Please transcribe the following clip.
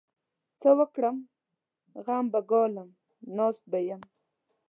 څه وکړم؟! غم به ګالم؛ ناست به يم.